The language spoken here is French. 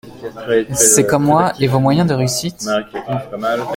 C’est comme moi ; et vos moyens de réussite ?